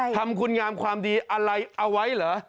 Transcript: ทำคุณงามความดีอะไรเอาไว้เหรอ